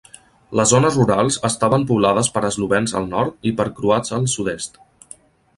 Les zones rurals estaven poblades per eslovens al nord i per croats al sud-est.